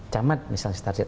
camat misalnya target